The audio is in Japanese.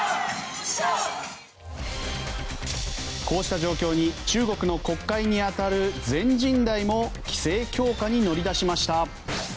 こうした状況に中国の国会に当たる全人代も規制強化に乗り出しました。